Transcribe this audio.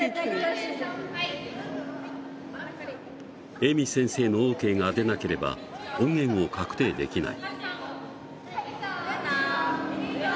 ＥＭＩ先生のＯＫが出なければ音源を確定できない。